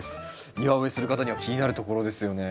庭植えする方には気になるところですよね。